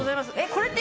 これって。